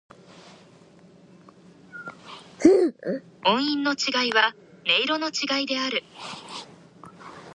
音韻の違いは、音色の違いである。